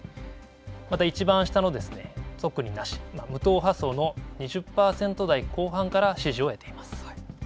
またいちばん下の、特になし、無党派層の２０％台後半から支持を得ています。